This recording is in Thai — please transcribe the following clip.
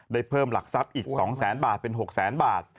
ได้เพิ่มหลักทรัพย์อีก๒๐๐๐๐๐บาทเป็น๖๐๐๐๐๐บาท